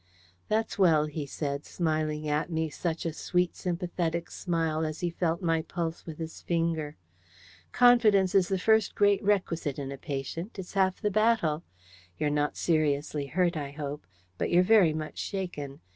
"That's well," he said, smiling at me such a sweet sympathetic smile as he felt my pulse with his finger. "Confidence is the first great requisite in a patient: it's half the battle. You're not seriously hurt, I hope, but you're very much shaken.